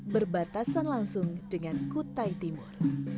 berbatasan langsung dengan kutai timur